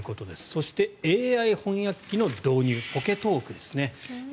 そしてＡＩ翻訳機の導入ポケトークですね。